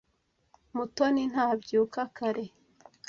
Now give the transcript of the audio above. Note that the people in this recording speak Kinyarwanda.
Mutoni ntabyuka kare.